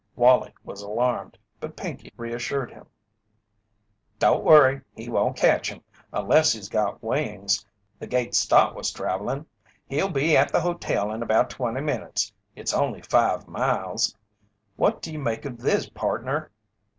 Wallie was alarmed, but Pinkey reassured him. "Don't worry! He won't catch him, unless he's got wings, the gait Stott was travellin'. He'll be at the hotel in about twenty minutes it's only five miles. What do you make of this, pardner?"